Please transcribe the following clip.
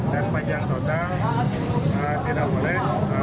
dan panjang total tidak boleh